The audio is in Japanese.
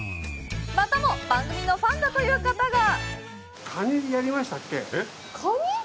またも番組のファンだという方が！